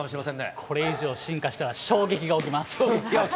これ以上進化したら、衝撃が起きます。